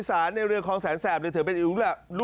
ดูใหม่คุณแกรมเสมือนไหน